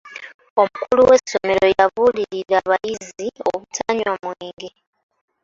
Omukulu w'essomero yabuulirira abayizi obutanywa mwenge.